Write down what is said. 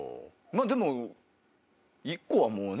でも１個はもうね。